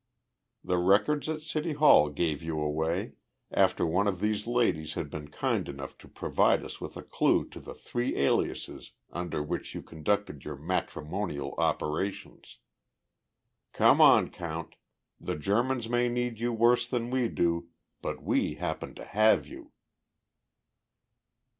The records at City Hall gave you away, after one of these ladies had been kind enough to provide us with a clue to the three aliases under which you conducted your matrimonial operations. "Come on, Count. The Germans may need you worse than we do but we happen to have you!"